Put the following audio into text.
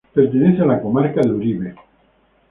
Pertenece a la comarca Uribe.